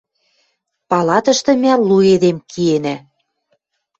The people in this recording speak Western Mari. Палатышты мӓ лу эдем киэнӓ.